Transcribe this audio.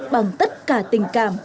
bằng tất cả tình cảm